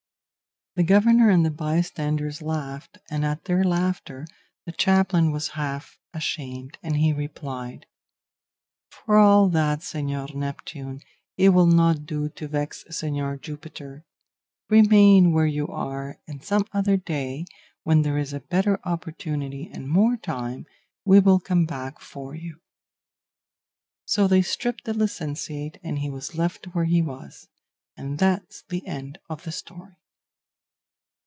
"The governor and the bystanders laughed, and at their laughter the chaplain was half ashamed, and he replied, 'For all that, Señor Neptune, it will not do to vex Señor Jupiter; remain where you are, and some other day, when there is a better opportunity and more time, we will come back for you.' So they stripped the licentiate, and he was left where he was; and that's the end of the story."